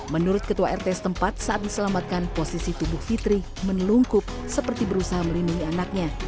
menurut ketua rt setempat saat diselamatkan posisi tubuh fitri menelungkup seperti berusaha melindungi anaknya